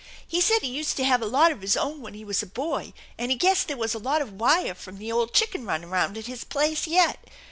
He said he used to have a lot of his own when he was a boy, and he guessed there was a lot of wire from the old chicken run around at his place yet.